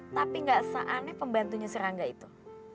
tapi gak seaneh pembantunya si rangga itu